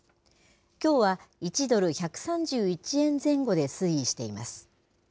きょうは１ドル１３１円前後で推移しています。